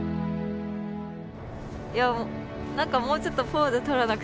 いや何かもうちょっとポーズ取らなくていいの？